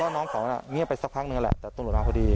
น้องเขาน่ะเงียบไปสักพักนึงแหละแต่ตำรวจมาพอดี